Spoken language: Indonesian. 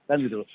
kan gitu loh